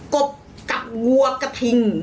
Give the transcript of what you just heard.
กบกับงัวกระทิง